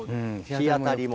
日当たりも。